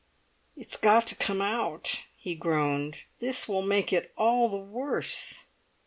"It's got to come out," he groaned; "this will make it all the worse."